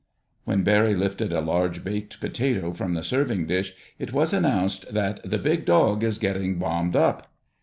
When Barry lifted a large baked potato from the serving dish it was announced that "The Big Dog is getting bombed up."